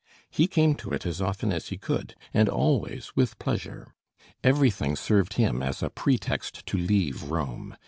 He came to it as often as he could, and always with pleasure. Everything served him as a pretext to leave Rome.